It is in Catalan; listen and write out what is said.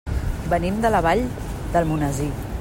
Venim de la Vall d'Almonesir.